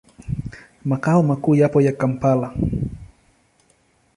Makao makuu yapo Kampala.